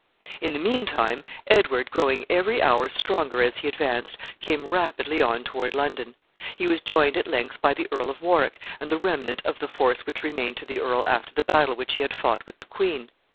In the mean time, Edward, growing every hour stronger as he advanced, came rapidly on toward London. He was joined at length by the Earl of Warwick and the remnant of the force which remained to the earl after the battle which he had fought with the queen.